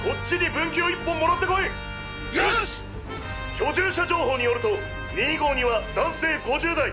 居住者情報によると２５２は男性５０代。